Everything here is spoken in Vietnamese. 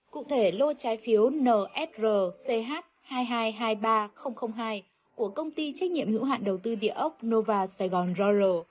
cụ thể lô trái phiếu nsrch hai triệu hai trăm hai mươi ba nghìn hai của công ty trách nhiệm hữu hạn đầu tư địa ốc nova saigon royal